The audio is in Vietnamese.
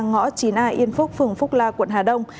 ngõ chín a yên phúc phường phúc la quận hà đông